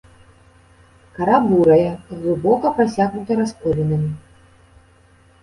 Кара бурая, глыбока прасякнута расколінамі.